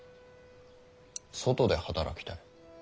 外で働きたい？